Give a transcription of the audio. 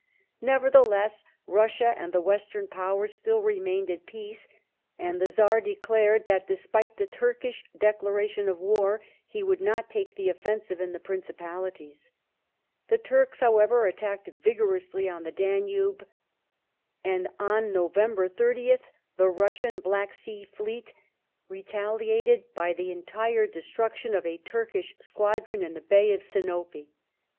Nevertheless, Russia and the Western Powers still remained at peace, and the Czar declared that, despite the Turkish declaration of war, he would not take the offensive in the Principalities. The Turks, however, attacked vigorously on the Danube, and on November 30th the Russian Black Sea fleet retaliated by the entire destruction of a Turkish squadron in the Bay of Sinope.